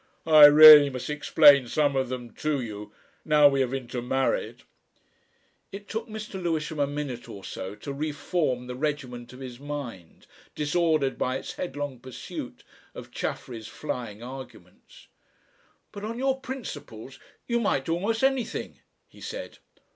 I really must explain some of them to you now we have intermarried." It took Mr. Lewisham a minute or so to re form the regiment of his mind, disordered by its headlong pursuit of Chaffery's flying arguments. "But on your principles you might do almost anything!" he said.